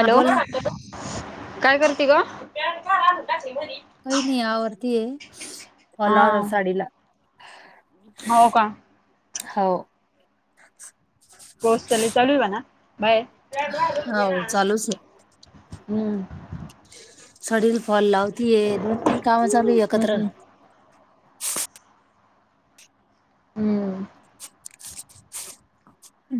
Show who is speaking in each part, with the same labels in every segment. Speaker 1: हा बोल ना
Speaker 2: काय करते गं?
Speaker 1: काही नाही आवरती आहे फॉल
Speaker 2: हा
Speaker 1: लावला साडीला.
Speaker 2: हो का!
Speaker 1: हो. [inaudible]
Speaker 2: पाऊस तर लई चालू आहे ना बाहेर?
Speaker 1: हाव चालूच आहे.
Speaker 2: हम्म.
Speaker 1: साडीला फॉल लावतीये दोन तीन काम चालू आहे
Speaker 2: हम्म
Speaker 1: एकत्र.
Speaker 2: हम्म हम्म.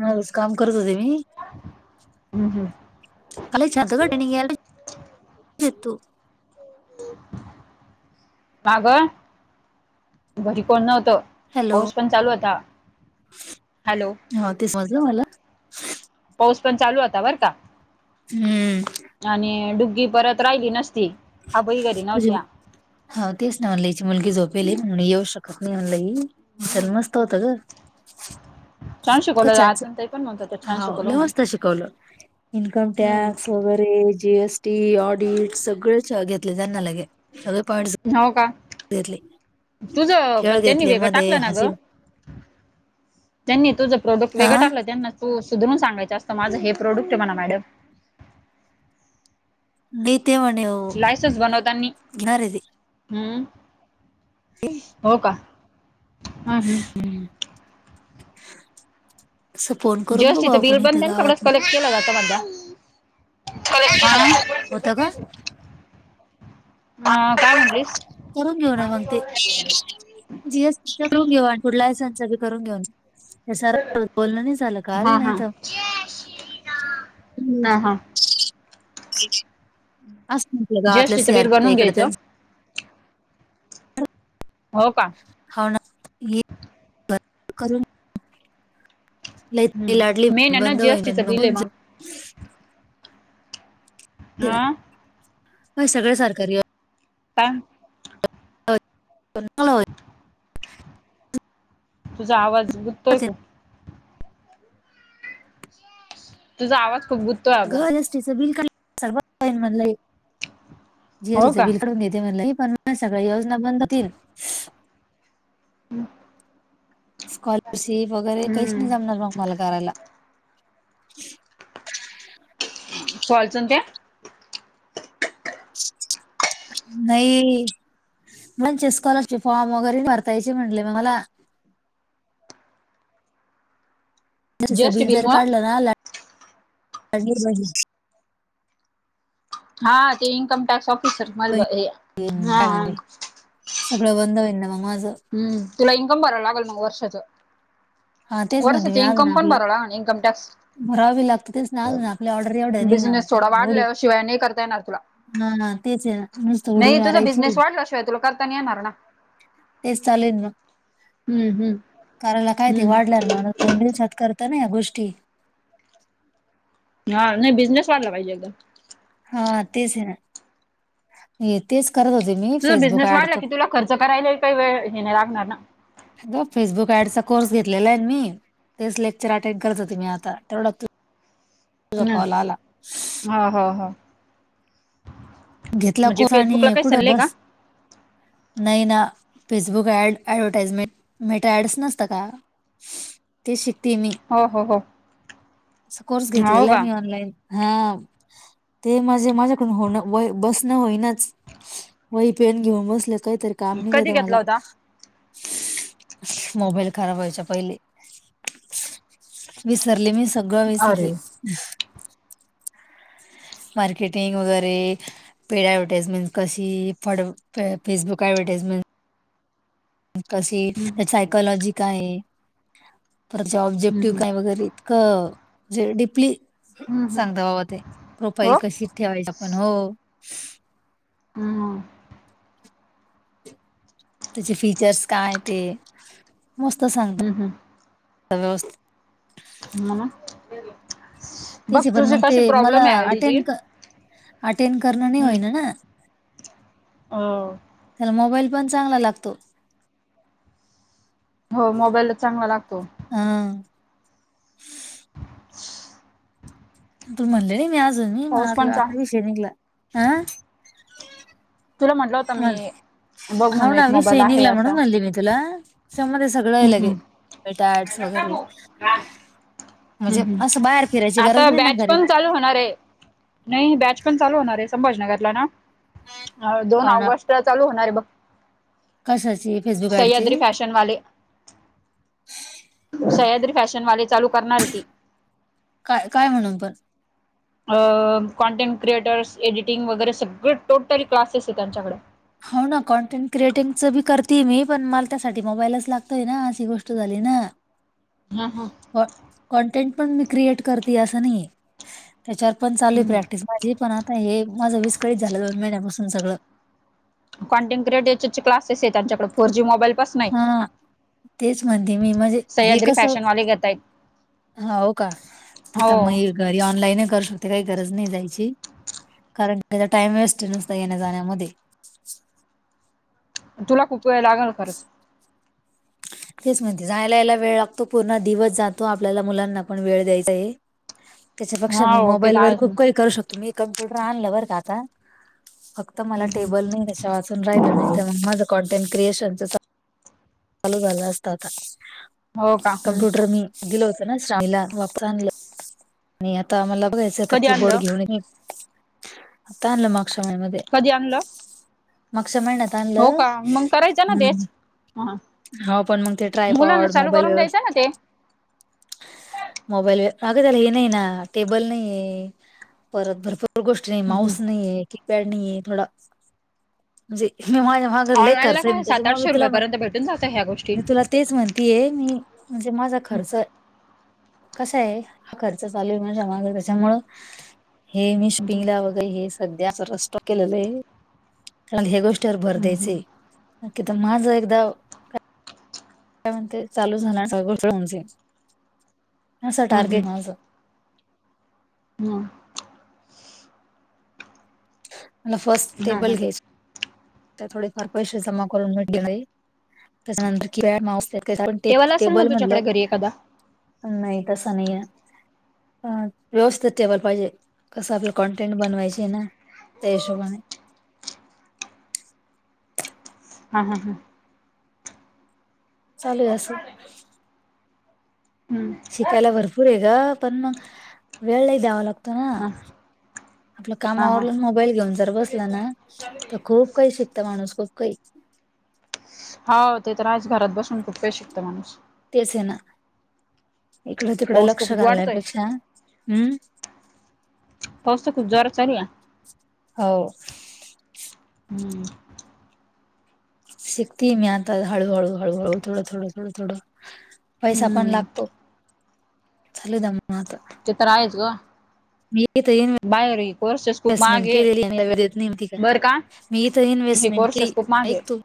Speaker 1: हाव काम करत होते मी.
Speaker 2: हम्म हम्म.
Speaker 1: [unintelligible]
Speaker 2: का गं? घरी कोण नव्हतं.
Speaker 1: हॅलो
Speaker 2: पाऊस पण चालू होता. हॅलो!
Speaker 1: हो ते समजलं मला.
Speaker 2: पाऊस पण चालू होता बरं का!
Speaker 1: हम्म.
Speaker 2: आणि डुग्गी परत राहिली नसती अभय घरी नव्हत्या
Speaker 1: हो तेच ना म्हणलं याची मुलगी झोपेली म्हणून येऊ शकत नाही म्हणलं ही नाहीतर
Speaker 2: हम्म
Speaker 1: मस्त होतं गं.
Speaker 2: छान
Speaker 1: काय
Speaker 2: शिकवलं
Speaker 1: छानस,
Speaker 2: आजण ते पण म्हणत होत छान
Speaker 1: हाव
Speaker 2: शिकवलं
Speaker 1: लय मस्त
Speaker 2: म्हणे
Speaker 1: शिकवलं. इन्कम टॅक्स
Speaker 2: हम्म
Speaker 1: वगैरे जी एस टी ऑडिट सगळे घेतले त्यांना लगे सगळे पा
Speaker 2: हाव का!
Speaker 1: घेतले,
Speaker 2: तुझं
Speaker 1: खेळ
Speaker 2: पण त्यांनी
Speaker 1: घेतले
Speaker 2: वेगळं
Speaker 1: मध्ये
Speaker 2: टाकलं ना ग
Speaker 1: हसी
Speaker 2: त्यांनी तुझं प्रोडक्ट
Speaker 1: हा
Speaker 2: वेगळं टाकलं, त्यांना तू सुधरून सांगायच असतं माझं हे प्रोडक्ट हे म्हणा मॅडम.
Speaker 1: देते म्हणे ओ!
Speaker 2: लायसन्स बनवतांनी हू!
Speaker 1: ते
Speaker 2: हो का आन.
Speaker 1: हं अस फोन करून बघू
Speaker 2: जीएसटीचं
Speaker 1: आपण
Speaker 2: बिल पण
Speaker 1: इथं गावातल्या. होता का
Speaker 2: [unintelligible] हा काय म्हटलीस
Speaker 1: पुढून घेऊनं ये म्हनते. जी एस टी चं करून घेऊ, आण फूड लायसन चं बी करून घेऊ. ह्यां सरा सोबत बोलण नही झालं काल
Speaker 2: हा
Speaker 1: नही
Speaker 2: हा
Speaker 1: त
Speaker 2: हा हा
Speaker 1: अस म्हटलं गावातल्या सी
Speaker 2: जीएसटीचं
Speaker 1: आर
Speaker 2: बिल
Speaker 1: पी च्यां
Speaker 2: बनवून
Speaker 1: इकड
Speaker 2: घ्यायचं
Speaker 1: त्यांच.
Speaker 2: हो का!
Speaker 1: हो ना! हे करून. लयीत लयी लाडली
Speaker 2: हम्म मेन
Speaker 1: बहिण
Speaker 2: आहे ना
Speaker 1: बंद होईन
Speaker 2: जीएसटीचं
Speaker 1: मंग
Speaker 2: बिल आहे
Speaker 1: होऊन
Speaker 2: मग
Speaker 1: जाईन. तिढ
Speaker 2: हा
Speaker 1: नाही सगळ सरकारी वर.
Speaker 2: टांग!
Speaker 1: [unintelligible]
Speaker 2: तुझा आवाज गुततोय खुप. तुझा आवाज खूप गुत
Speaker 1: [unintelligible] जी एस टी चं बिल
Speaker 2: हो का
Speaker 1: काडून देते म्हणलेय, पण माझ्या सगळ्या योजना बंद होतील.
Speaker 2: हू!
Speaker 1: स्कॉलरशिप, वगैरे काहीच
Speaker 2: हम्म
Speaker 1: नाही जमणार मग मला करायला.
Speaker 2: कॉलच न त्या! [inaudible]
Speaker 1: नही यांचे स्कॉलरचे फॉर्म वगैरे नही भरतायायचे म्हणले म मला. कश्याच
Speaker 2: जीएसटी
Speaker 1: बिल जर
Speaker 2: मुळं
Speaker 1: काढलं [unintelligible]
Speaker 2: हा ते ईन्कम टॅक्स ऑफिसर माझे बं
Speaker 1: बहीण
Speaker 2: हे! हा
Speaker 1: काय
Speaker 2: हा
Speaker 1: म्हने सगळं बंद होईन ना मग माझं.
Speaker 2: हू तुला इन्कम भराव लागल मग वर्षाचं.
Speaker 1: हा तेच म्हणते मी
Speaker 2: वर्षाचे
Speaker 1: अजून
Speaker 2: इन्कम पण
Speaker 1: आपला
Speaker 2: भराव लागण इन्कम टॅक्स.
Speaker 1: भरावं बी लागतं तेच ना अजून आपल्या ऑर्डर एवढ्या नाही ना
Speaker 2: बिझनेस थोडा
Speaker 1: उडी
Speaker 2: वाढला शिवाय नही करता येणार तुला.
Speaker 1: ना तेच आहे ना नुसतं उडी
Speaker 2: नही तुझा
Speaker 1: मारायची
Speaker 2: बिझनेस वाढला शिवाय तुला करता नही येणार ना!
Speaker 1: तेच चालूय न मं!
Speaker 2: हू हू!
Speaker 1: काय ते वाढल्यार माणूस दोन दिवसात करत ना या गोष्टी.
Speaker 2: हा नाही बिझनेस वाढला पाहिजे एकदा.
Speaker 1: हं तेच हे ना! हे तेच करत होते मी
Speaker 2: तुझा
Speaker 1: फेसबुक
Speaker 2: बिझनेस वाढला
Speaker 1: ऍडच.
Speaker 2: की तुला खर्च करायला काही वेळ हे नाही लागणार ना
Speaker 1: अग फेसबुक ऍडचा कोर्स घेतलेला आहे न मी, तेच लेक्चर अटेंड करत होते मी आता तेवढ्यातं तू झा
Speaker 2: हम
Speaker 1: कॉल आला!
Speaker 2: हा हा हा...
Speaker 1: घेतला कोण आणि कुठं बस नाही ना फेसबुक ऍड ऍडव्हटाइजमेंट मेट ऍड्स नसत का?
Speaker 2: [unintelligible]
Speaker 1: ते शिकतिये मी,
Speaker 2: हो हो हो
Speaker 1: कोर्स
Speaker 2: हो
Speaker 1: घेतलेला आहे
Speaker 2: का
Speaker 1: मी ऑनलाईन. हा ते म्हजे माझ्याकडून होणं व्हय बसणं होईनाच, वही पेन घेऊन बसले काहीतरी काम
Speaker 2: कधी
Speaker 1: निघत
Speaker 2: घेतला
Speaker 1: मला
Speaker 2: होता
Speaker 1: मोबाईल खराब व्हायच्या पहिले विसरले मी सगळं सगळं विसरवले
Speaker 2: अरे
Speaker 1: मार्केटिंग वगैरे पेड अऍडव्हटाजमेंट कशी फेसबुक अऍडव्हटाइजमेंट म्हणजे कशी
Speaker 2: हम्म
Speaker 1: त्या सायकॉलॉजी काय आहे परत
Speaker 2: हम्म
Speaker 1: ऑब्जेक्टिव्ह
Speaker 2: हम्म
Speaker 1: काय वगैरे [unintelligible]
Speaker 2: हम्म हम्म
Speaker 1: सांगता बाबा ते
Speaker 2: हो
Speaker 1: प्रोफाईल कशी ठेवायची आपण हो.
Speaker 2: हा हा..
Speaker 1: त्याचे फीचर्स काय ते मस्त
Speaker 2: हम्म
Speaker 1: सांगतात व्यवस्थित
Speaker 2: [unintelligible] बघ
Speaker 1: तेचे पण
Speaker 2: तुझी
Speaker 1: मग ते
Speaker 2: कशी
Speaker 1: मला
Speaker 2: प्रॉब्लेम आहे आयडीची
Speaker 1: अटेंड अटेंड करणं नाही होईना ना-
Speaker 2: हो.....
Speaker 1: त्याला मोबाईल पण चांगला लागतो-
Speaker 2: हो मोबाईल चांगला लागतो-
Speaker 1: हा.... तुम्ही म्हणले मी अजून मी
Speaker 2: पाऊस
Speaker 1: मारल
Speaker 2: पण चां
Speaker 1: आता विषय निघला हं-
Speaker 2: तुला म्हटलं होतं मी- बघ
Speaker 1: हो
Speaker 2: म्हणू
Speaker 1: ना
Speaker 2: एक मोबाईल
Speaker 1: विषय
Speaker 2: आहे
Speaker 1: निघला
Speaker 2: असा
Speaker 1: म्हणून म्हणली मी तुला समोर मध्ये सगळं
Speaker 2: हम्म
Speaker 1: याल गे-
Speaker 2: हम्म
Speaker 1: ते कॅट्स वगैरे-
Speaker 2: हम्
Speaker 1: म्हणजे
Speaker 2: हम्
Speaker 1: असं बाहेर फिरायची गरज
Speaker 2: आता
Speaker 1: नाही ना
Speaker 2: बॅच
Speaker 1: घरी
Speaker 2: पण चालू होणार आहे-. नाही बॅच पण चालू होणार आहे संभाजीनगरला ना दोन
Speaker 1: हो ना
Speaker 2: ऑगस्ट चालू होणार आहे बघ-
Speaker 1: कशाची? फेसबुक ऍडची
Speaker 2: सह्याद्री फॅशन वाले- सह्याद्री फॅशन वाले चालू करणारे ती-
Speaker 1: काय, काय म्हणुन पण-
Speaker 2: [unintelligible] अ कॉन्टेंट क्रिएटर्स, एडिटिंग वगैरे सगळे टोटल क्लासेस आहेत त्यांच्याकडे-
Speaker 1: हो ना कॉंटेंट क्रिएटिगं बी करती मी पण मला त्यासाठी मोबाईलच लागतोय ना अशी गोष्ट झाली ना-
Speaker 2: हा हा....
Speaker 1: हो कॉंटेंट पण मी क्रिएट करते असं नाही ये त्याच्यावर पण चालू आहे
Speaker 2: हम्म
Speaker 1: प्रॅक्टिस माझी पण आता हे माझं विस्कळीत झालं दोन महिन्यापासून सगळं-
Speaker 2: कॉन्टेटं क्रिएटिव्ह चे क्लासेस आहे त्यांच्याकडं फोर जी मोबाईल पसंन आहे-
Speaker 1: हा तेच म्हणते मी म्हणजे हे
Speaker 2: सह्याद्री
Speaker 1: कसं
Speaker 2: फॅशनवाले घेतायत
Speaker 1: होव का? ते
Speaker 2: हो
Speaker 1: म घरी ऑनलाईनही करू शकते गरज नाही जायची- कारण त्याचा टाइम वेस्ट नुस्ता येण्या जाण्यामध्ये
Speaker 2: पण तुला खूप वेळ लागणार ये खरंच-
Speaker 1: तेच म्हणती जायला यायला वेळ लागतो पूर्ण दिवस जातो आपल्याला मुलांना पण वेळ द्यायचा आहे-
Speaker 2: [unintelligible]
Speaker 1: त्याच्यापेक्षा मी
Speaker 2: हो ते तर
Speaker 1: मोबाईल वर
Speaker 2: आहेच
Speaker 1: खूप काही करू शकतो मीच कंम्प्युटर आणलाय बर का आता फक्त- फक्त मला
Speaker 2: मग
Speaker 1: टेबल नाही वाचून राहिलं नाही माझं कॉंटेंट क्रिएशनच चालु- चालू झालं असत आता
Speaker 2: हो का हम्
Speaker 1: कम्प्युटर नी- दिलं होत ना श्रामीला वापराला आणलं आणि आता आम्हाला- फक्त आता त्याच
Speaker 2: कधी
Speaker 1: की-बोर्ड
Speaker 2: आणलं
Speaker 1: घेउन मी आत्ता आणलं मागच्या महिन्या मध्ये-
Speaker 2: कधी आणलं?
Speaker 1: मागच्या महिन्यात
Speaker 2: हो
Speaker 1: आणलं
Speaker 2: का मग करायचं ना
Speaker 1: हम्म-
Speaker 2: तेच हा
Speaker 1: हो पण मग ते ट्राय
Speaker 2: मुलांना
Speaker 1: परवड
Speaker 2: चालू
Speaker 1: मोबाईल
Speaker 2: करून द्यायचं
Speaker 1: व्यवस्थित
Speaker 2: [unintelligible]
Speaker 1: मोबाईल वर अगं त्याला हे नाही ना टेबल नाही परत भरपूर- भरपूर गोष्टी नाही, माऊस नाही आहेे, कीपॅड नाही थोडा म्हणजे ना माझा- मागुन लै खर्च त्याच मग मी तुला म-
Speaker 2: जात ह्या गोष्टी-
Speaker 1: मी तुला तेच म्हणतीये मी म्हणजे माझा खर्च- कसा आहे हा खर्च चालू आहे माझ्या मागं त्याच्यामुळं- हे मी शॉपिंग वगैर हे सध्या रस्ट केलेला आहे- चांगल्या गोष्टीवर भर द्यायचे नक्की तर माझं एकदा- काय म्हणते चालू झाणार म्हणजे असं टार्गेट माझं.
Speaker 2: हम्.
Speaker 1: मला फर्स्ट टेबल घ्यायच‌. तर थोडेफार पैसे जमा करून भेटले त्याच्यानंतर किपॅड माउस मागवतो. त्ये टेब
Speaker 2: असेल ना
Speaker 1: टेबल म्हणल्य
Speaker 2: तुझ्याकडे घरी एखादा
Speaker 1: नाही तस नाही आहे. ह व्यवस्थित टेबल पाहिजे कसं आपलं कंटुइनी बनवायचे ना. त्या हिशाबाने.
Speaker 2: हा हा.
Speaker 1: चालेल असं. शिकायला भरपूर आहे ग पण मग वेळ लै द्यावा लागतो ना.
Speaker 2: ह हा
Speaker 1: आपल्या काम
Speaker 2: हा
Speaker 1: आवरून मोबाईल घेऊन जर बसला ना तर खूप काही शिकतो माणूस खूप- काहि.
Speaker 2: हो ते तर आज घरात बसून खूप काही शिकतो माणूस.
Speaker 1: तेच आहे ना इकडं तिकडं
Speaker 2: पाऊस तर
Speaker 1: लक्ष
Speaker 2: खूप वाढतोय
Speaker 1: घालल्यापेक्षा हम्म
Speaker 2: पाऊस काय खुप जोराचा आला.
Speaker 1: हो.
Speaker 2: हम्म.
Speaker 1: शिकते मी आता हळूहळू हळूहळू थोडं थोडं थोडं थोडं. पैसा पण
Speaker 2: हम्म
Speaker 1: लागतो चालु द्या मग आता.
Speaker 2: ते तर आहेच ग.
Speaker 1: [unintelligible]
Speaker 2: बाहेर आहे.
Speaker 1: इन्व्हेस्टमेंट केलेलीच नाहि,
Speaker 2: बर का
Speaker 1: मी इथ
Speaker 2: हे
Speaker 1: इन्व्हेस्टमेंट के
Speaker 2: कोर्सेस खूप
Speaker 1: लेली
Speaker 2: महागे
Speaker 1: ऐकत.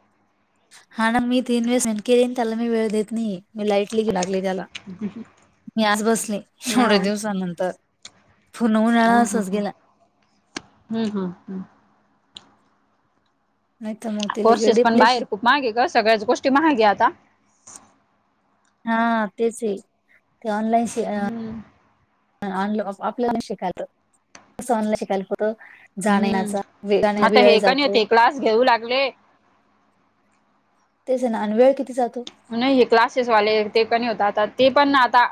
Speaker 1: हा ना मी तीन वेळेस [unintelligible] केली आणि त्याला मी वेळ देत नाही मी लाईफ कीड लागली त्याला मी आज बसले एवढ्या
Speaker 2: हम्म
Speaker 1: दिवसानंतर. पूर्ण
Speaker 2: हम्
Speaker 1: उन्हाळा
Speaker 2: हम्म
Speaker 1: असाच
Speaker 2: हम्
Speaker 1: गेला
Speaker 2: हम्म हम्म हम्म.
Speaker 1: नायतर नाही. ते लगे
Speaker 2: कोर्सेस पण
Speaker 1: डिप्लेशन
Speaker 2: बाहेर खूप महागे यग सगळ्याच गोष्टी महागेय आता
Speaker 1: हा तेच हे ऑनलाईन शिका
Speaker 2: हम्म
Speaker 1: ऑन ऑफलाइनच शिकायचं अस ऑनलाईन शिकायला कुठं जाण्या येण्याचा
Speaker 2: हम्म
Speaker 1: आणि
Speaker 2: आता
Speaker 1: वेळ
Speaker 2: हे का नाही
Speaker 1: जातो.
Speaker 2: होते क्लास घेऊ लागले.
Speaker 1: तेच ना आणि वेळ किती जातो.
Speaker 2: नाही हे क्लासेसवाले ते पणी आता ते पण ना आता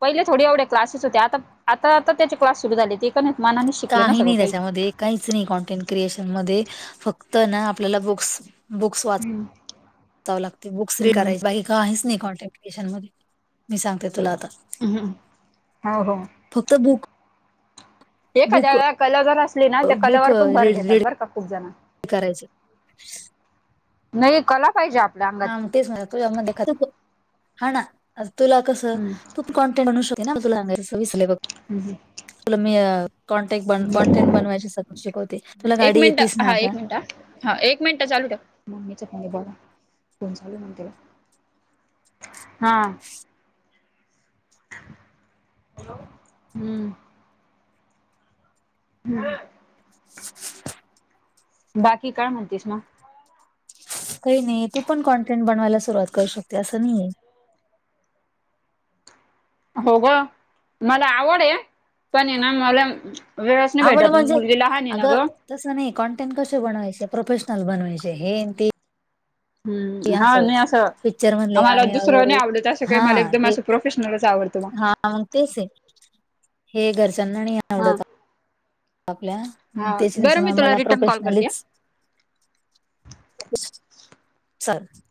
Speaker 2: पहिले थोडे एवढ्या क्लासेस होते आता आता आता त्याचे क्लास सुरू झाले ते का मनाने शिकले ना सगळं
Speaker 1: नाही
Speaker 2: काही.
Speaker 1: त्याच्यामध्ये काहीच नाही कॉनटेंट क्रिएशन मध्ये फक्त ना आपल्याला बुक्स बुक्स वाचावं लागते बुक्स रीड
Speaker 2: हम्म
Speaker 1: करायची बाकी काहीच नाही कॉन्टॅक्एशन मध्ये. मी सांगते तुला आता
Speaker 2: हम्म हो हो
Speaker 1: फक्त बुक बुक
Speaker 2: एखाद्याला कला जर असली ना त्या कलावर पण भर देतात बरं का खूप जण
Speaker 1: करायचं.
Speaker 2: नाही कला पाहिजे आपल्यात
Speaker 1: हा मग तेच ना तुझ्यामध्ये एखादा हा ना तुला कसं
Speaker 2: हम्म
Speaker 1: कॉन्टेन्ट म्हणू शकते ना, तुला सांगायचच विसरले बघ
Speaker 2: हम्म
Speaker 1: तुला मी कॉन्टेन्ट कॉन्टेन्ट बनवायची शिकवते तुला
Speaker 2: एक
Speaker 1: गाडी
Speaker 2: मिनिट
Speaker 1: येेतच ना आता?
Speaker 2: हा हा एक मिनिट चालू ठेव मम्मीचा कॉल आलाय. हां हम्म हम् बाकी काय म्हणतीस मग?
Speaker 1: काही नाही तू पण कॉन्टेंट बनवायला सुरुवात करू शकते असं नाहीय.
Speaker 2: हो ग मला आवड आहे पण ये ना मला वेळचं नाही
Speaker 1: आवड
Speaker 2: भेटत
Speaker 1: म्हणजे
Speaker 2: मुलगी लहान आहे ना
Speaker 1: अगं
Speaker 2: गं.
Speaker 1: तसं नाही कॉन्टेंट कसे बनवायचे प्रोफेशनल बनवायचे हे आणि ते की
Speaker 2: हम्म हा नाही
Speaker 1: असच
Speaker 2: असं
Speaker 1: पिक्चर मधले
Speaker 2: मला
Speaker 1: गाणे
Speaker 2: दुसरं
Speaker 1: वगैरे
Speaker 2: नाही आवडत असं काही
Speaker 1: हा
Speaker 2: मला एकदम
Speaker 1: हे
Speaker 2: असं प्रोफेशनलच आवडतं
Speaker 1: मग तेच आहे हे घरच्यांना नाही
Speaker 2: हा
Speaker 1: आवडत आपल्या म्हणून
Speaker 2: हा
Speaker 1: तेच तेच
Speaker 2: बरं मी तुला
Speaker 1: मला
Speaker 2: रिटर्न कॉल करते हा
Speaker 1: प्रोफेशनलीच चलतय